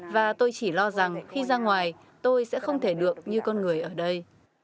và tôi chỉ lo rằng khi ra ngoài tôi sẽ không thể được như con người ở đây